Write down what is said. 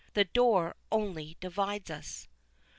The door only divides us."